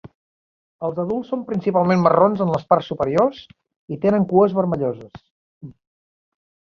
Els adults són principalment marrons en les parts superiors, i tenen cues vermelloses.